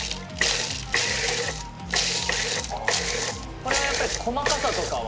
これはやっぱり細かさとかは？